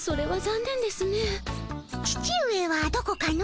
父上はどこかの？